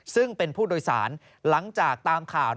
ซึ่งเป็นผู้โดยสารหลังจากตามข่าว